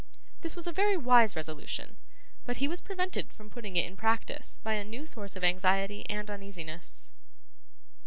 This was a very wise resolution, but he was prevented from putting it in practice by a new source of anxiety and uneasiness.